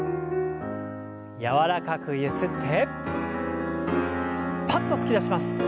柔らかくゆすってパッと突き出します。